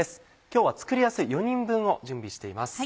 今日は作りやすい４人分を準備しています。